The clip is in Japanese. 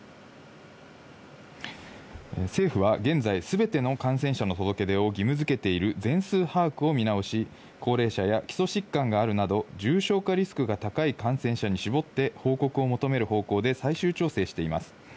政府は現在、全ての感染者の届け出を義務付けている全数把握を見直し、高齢者や基礎疾患があるなど重症化リスクが高い感染者に絞って報告を求める方向で最終調整しています。